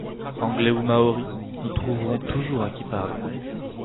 Anglais ou Maoris, nous trouverons toujours à qui parler.